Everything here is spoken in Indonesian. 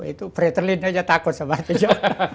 itu praterlind aja takut sama artijo